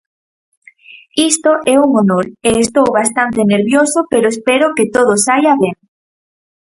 Isto é un honor e estou bastante nervioso pero espero que todo saia ben.